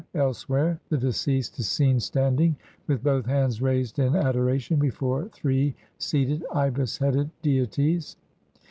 Elsewhere the de ceased is seen standing, with both hands raised in adoration, before three seated ibis headed deities (see Naville, op.